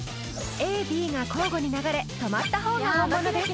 ＡＢが交互に流れ止まったほうが本物です